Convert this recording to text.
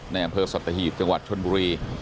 ในอำเภอสัตหีบจังหวัดชนบุรี